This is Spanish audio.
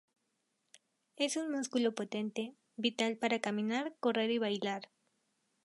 Es un músculo potente, vital para caminar, correr y bailar.